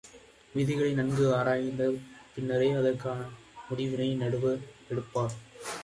விதிகளை நன்கு ஆராய்ந்த பின்னரே, அதற்கான முடிவினை நடுவர் எடுப்பார்.